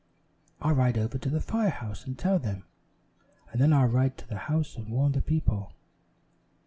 "I'll ride over to the fire house and tell them, and then I'll ride to the house and warn the people."